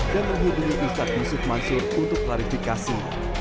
dan menghidungi ustadz yusuf mansur untuk klarifikasi